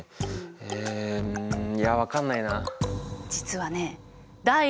えうんいや分かんないな。